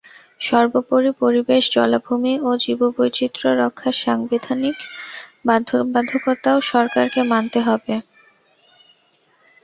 সর্বোপরি পরিবেশ জলাভূমি ও জীববৈচিত্র্য রক্ষার সাংবিধানিক বাধ্যবাধকতাও সরকারকে মানতে হবে।